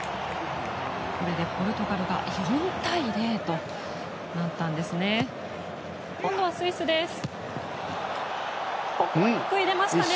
これでポルトガルが４対０となったんですね。